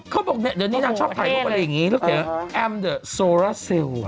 เขาบอกเดี๋ยวนี้นางชอบถ่ายรูปอะไรอย่างนี้แล้วแอมเดอะโซราซิล